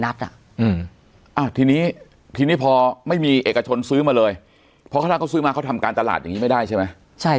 ทีนี้ทีนี้พอไม่มีเอกชนซื้อมาเลยเพราะขนาดเขาซื้อมาเขาทำการตลาดอย่างนี้ไม่ได้ใช่ไหมใช่